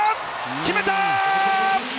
決めた！